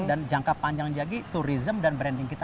dan jangka panjangnya lagi turisme dan branding kita